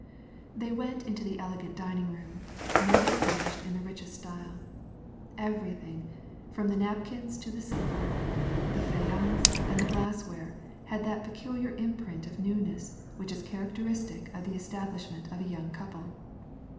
• They went into the elegant dining room, newly furnished in the richest style. Everything, from the napkins to the silver, the faience, and the glassware, had that peculiar imprint of newness which is characteristic of the establishment of a young couple.